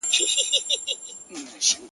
چا ناوې راوړې. څوک ځلمي سره راغلی